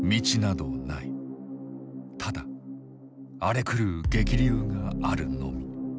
ただ荒れ狂う激流があるのみ。